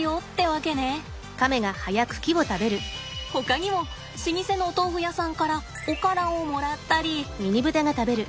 ほかにも老舗のお豆腐屋さんからおからをもらったり。